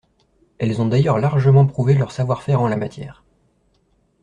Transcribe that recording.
Elles ont d’ailleurs largement prouvé leur savoir-faire en la matière.